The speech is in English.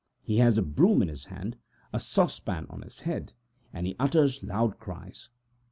He has a broom in his hand, a saucepan on his head and he utters loud cries.